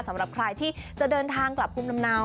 สำหรับใครที่จะเดินทางกลับภูมิลำเนา